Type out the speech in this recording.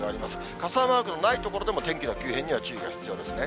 傘マークのない所でも天気の急変には注意が必要ですね。